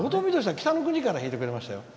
「北の国から」も弾いてくれましたよ。